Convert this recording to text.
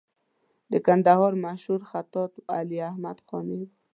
د کندهار مشهور خطاط علي احمد قانع و.